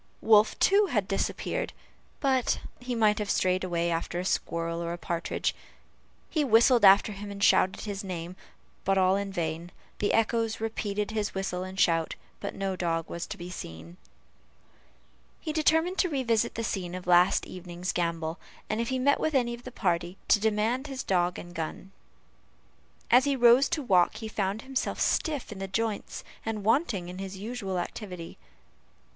Wolf, too, had disappeared, but he might have strayed away after a squirrel or partridge. He whistled after him and shouted his name, but all in vain; the echoes repeated his whistle and shout, but no dog was to be seen. He determined to revisit the scene of the last evening's gambol, and if he met with any of the party, to demand his dog and gun. As he rose to walk, he found himself stiff in the joints, and wanting in his usual activity.